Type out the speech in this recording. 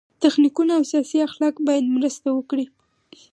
تخنیکونه او سیاسي اخلاق باید مرسته وکړي.